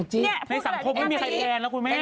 ในสังคมไม่มีใครแทนแล้วคุณแม่